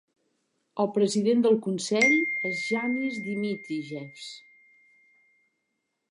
El president del consell és Janis Dimitrijevs.